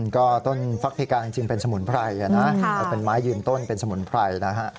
ก็ต้นฟักเพกาจริงเป็นสมุนไพรนะเป็นไม้ยืนต้นเป็นสมุนไพรนะฮะ